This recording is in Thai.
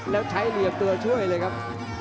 แล้วใช้เหลี่ยมตัวช่วยเลยครับ